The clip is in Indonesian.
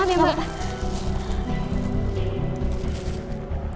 gak apa apa mbak